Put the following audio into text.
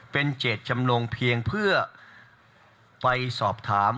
เป็นเจตจำนงเพียงเพื่อไปสอบถาม